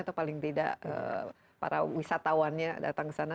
atau paling tidak para wisatawannya datang ke sana